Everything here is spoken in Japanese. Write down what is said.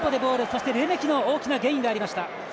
そして、レメキの大きなゲインがありました。